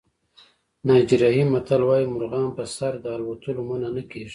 نایجریایي متل وایي مرغان په سر د الوتلو منع نه کېږي.